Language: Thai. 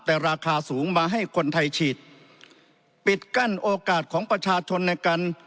แต่ราคาสูงมาให้คนไทยฉีดปิดกั้นโอกาสของประชาชนในการ